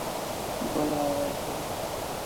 بله راکړئ